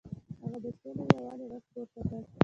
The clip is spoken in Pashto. هغه د سولې او یووالي غږ پورته کړ.